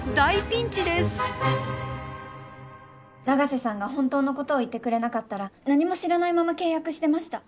永瀬さんが本当のことを言ってくれなかったら何も知らないまま契約してました。